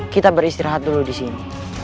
kita beristirahat dulu di sini